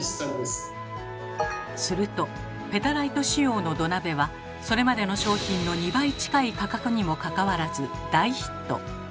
するとペタライト仕様の土鍋はそれまでの商品の２倍近い価格にもかかわらず大ヒット！